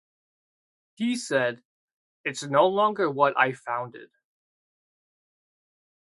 He said, It's no longer what I founded.